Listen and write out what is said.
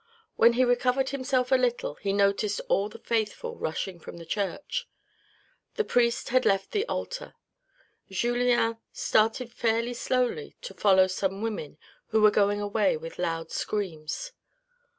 When he recovered himself a little he noticed all the faithful rushing from the church. The priest had left the altar. Julien started fairly slowly to follow some women who were going away with loud screams.